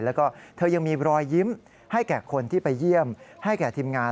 แล้วก็เธอยังมีรอยยิ้มให้แก่คนที่ไปเยี่ยมให้แก่ทีมงาน